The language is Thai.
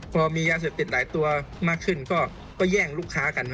พอมียาเสพติดหลายตัวมากขึ้นก็แย่งลูกค้ากัน